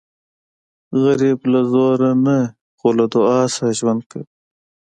غریب له زوره نه خو له دعا سره ژوند کوي